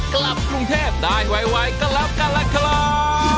กลับกรุงเทพฯได้ไวกลับกันแล้วคล้าาาาาาาาาาาาาาา